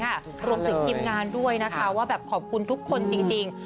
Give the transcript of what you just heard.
รวมถึงทีมงานด้วยนะคะว่าแบบขอบคุณทุกคนจริง